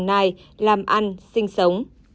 đồng nai làm ăn sinh sống